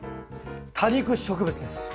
多肉植物です。